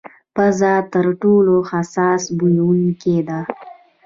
پزه تر ټولو حساس بویونکې ده.